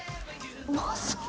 うまそう！